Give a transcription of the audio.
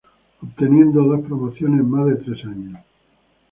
Obteniendo dos promociones en más de tres años.